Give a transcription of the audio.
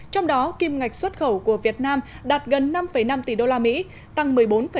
trong đó kim ngạch xuất khẩu của việt nam đạt gần năm năm tỷ đô la mỹ tăng một mươi bốn ba